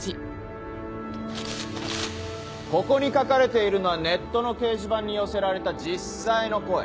ここに書かれているのはネットの掲示板に寄せられた実際の声。